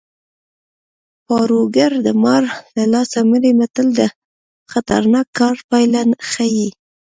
پاړوګر د مار له لاسه مري متل د خطرناک کار پایله ښيي